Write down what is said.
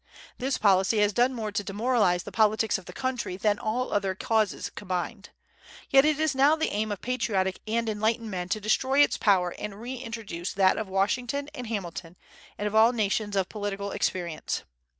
This policy has done more to demoralize the politics of the country than all other causes combined; yet it is now the aim of patriotic and enlightened men to destroy its power and re introduce that of Washington and Hamilton, and of all nations of political experience.